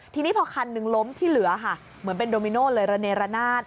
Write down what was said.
ทีนี้พอคันหนึ่งล้มที่เหลือค่ะเหมือนเป็นโดมิโน่เลยระเนรนาศ